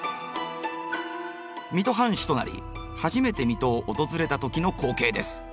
水戸藩主となり初めて水戸を訪れた時の光景です。